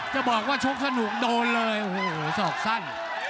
จะบอกว่าชกสนุกโดนเลยโอ้โหสอกสั้น